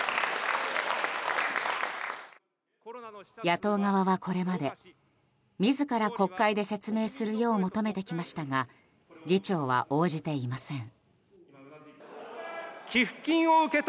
野党側は、これまで自ら国会で説明するよう求めてきましたが議長は応じていません。